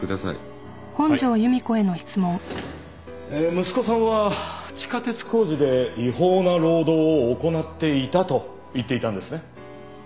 息子さんは地下鉄工事で違法な労働を行っていたと言っていたんですね。